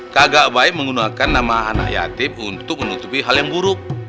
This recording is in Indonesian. kagak baik menggunakan nama anak yatim untuk menutupi hal yang buruk